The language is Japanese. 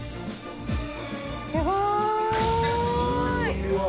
すごい。